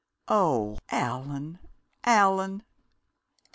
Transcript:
Oh, Allan, Allan!"